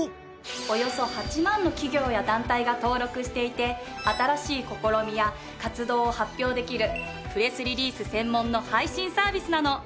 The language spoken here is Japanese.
およそ８万の企業や団体が登録していて新しい試みや活動を発表できるプレスリリース専門の配信サービスなの。